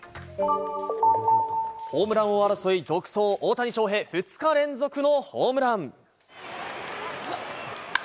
ホームラン王争い独走、大谷翔平２日連続のホームラン。